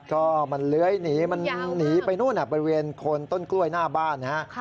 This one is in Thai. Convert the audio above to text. ก็มันเลื้อยหนีมันหนีไปนู่นบริเวณคนต้นกล้วยหน้าบ้านนะฮะ